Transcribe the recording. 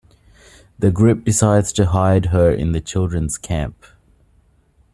The group decides to hide her in the children's camp.